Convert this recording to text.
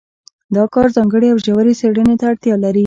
دا کار ځانګړې او ژورې څېړنې ته اړتیا لري.